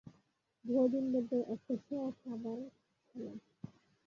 বহুদিন বাদে একটা সেরা খাবার খেলাম।